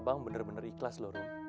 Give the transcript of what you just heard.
tapi abang bener bener ikhlas lho rum